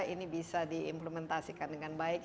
ini bisa diimplementasikan dengan baik